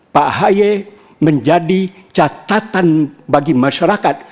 pak ahy menjadi catatan bagi masyarakat